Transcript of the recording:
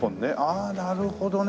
ああなるほどね。